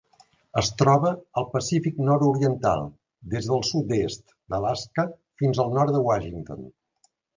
Es troba al Pacífic nord-oriental: des del sud-est d'Alaska fins al nord de Washington.